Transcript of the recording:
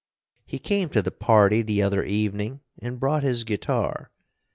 He came to the party the other evening and brought his guitar.